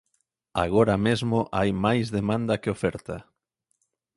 Agora mesmo hai máis demanda que oferta.